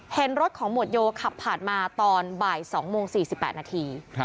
เห็นรถของหมวดโยขับผ่านมาตอนบ่าย๒โมง๔๘นาที